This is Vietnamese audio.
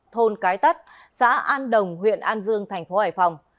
thôn cái tắt xã an đồng huyện an dương tp hải phòng